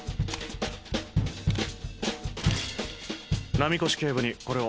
波越警部にこれを。